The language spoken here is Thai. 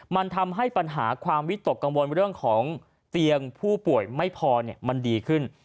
มันทำให้ปัญหาความวิตกกังวลเรื่องของเตียงผู้ป่วยไม่พอมันดีขึ้น